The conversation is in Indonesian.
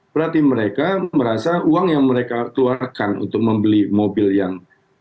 berarti mereka merasa uang yang mereka keluarkan untuk membeli mobil yang